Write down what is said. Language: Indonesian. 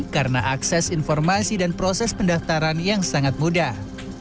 karena akses informasi dan proses pendaftaran yang sangat mudah